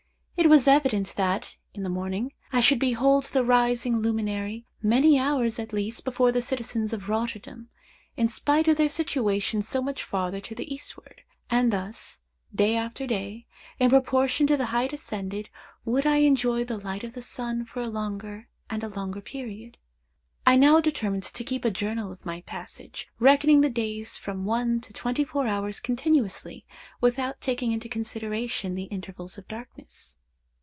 It was evident that, in the morning, I should behold the rising luminary many hours at least before the citizens of Rotterdam, in spite of their situation so much farther to the eastward, and thus, day after day, in proportion to the height ascended, would I enjoy the light of the sun for a longer and a longer period. I now determined to keep a journal of my passage, reckoning the days from one to twenty four hours continuously, without taking into consideration the intervals of darkness.